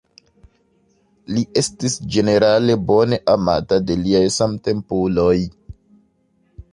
Li estis ĝenerale bone amata de liaj samtempuloj.